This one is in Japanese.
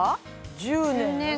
１０年？